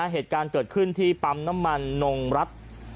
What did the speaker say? พื้นที่ปั๊มน้ำมันนงรัฐ